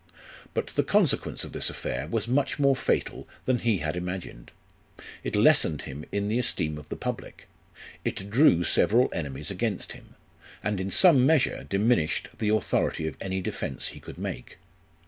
But the consequence of this affair was much more fatal than he had imagined : it lessened him in the esteem of the public ; it drew several enemies against him, and in some measure diminished the authority of any defence he could make.